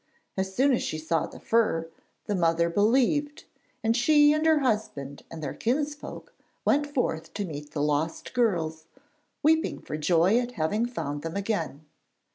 As soon as she saw the fur, the mother believed, and she and her husband and their kinsfolk went forth to meet the lost girls, weeping for joy at having found them again.